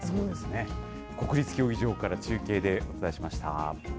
国立競技場から中継でお伝えしました。